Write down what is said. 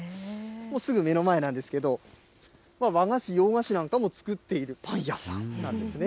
もうすぐ目の前なんですけど、和菓子、洋菓子なんかも作っているパン屋さんなんですね。